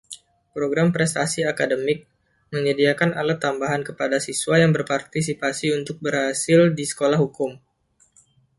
"Program Prestasi Akademik" menyediakan alat tambahan kepada siswa yang berpartisipasi untuk berhasil di sekolah hukum.